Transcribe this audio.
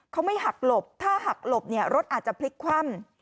เขาไม่หักหลบถ้าหักหลบเนี่ยรถอาจจะพลิกคว่ำ